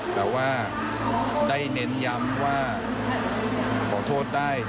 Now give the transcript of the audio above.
แต่ว่าได้เน้นย้ำว่าขอโทษได้